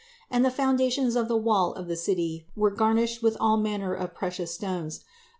And the foundations of the wall of the city were garnished with all manner of precious stones.